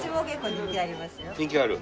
人気ある。